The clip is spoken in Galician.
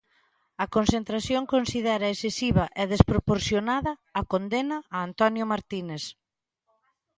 A concentración considera excesiva e desproporcionada a condena a Antonio Martínez.